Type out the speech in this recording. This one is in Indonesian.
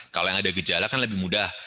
kalau yang ada gejala kan lebih mudah